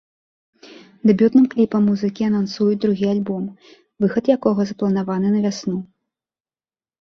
Дэбютным кліпам музыкі анансуюць другі альбом, выхад якога запланаваны на вясну.